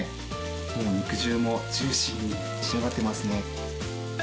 肉汁もジューシーに仕上がってますね。